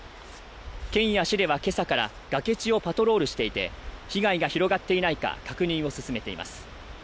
県や市では今朝から崖地をパトロールしていて、被害が広がっていないか確認を進めています。